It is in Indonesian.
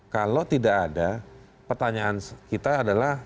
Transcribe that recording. kalau tidak ada pertanyaan kita adalah